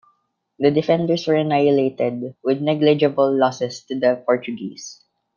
The defenders were annihilated, with neglegible losses to the Portuguese.